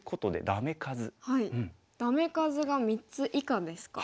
ダメ数が３つ以下ですか。